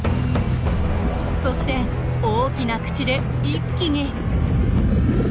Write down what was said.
そして大きな口で一気に。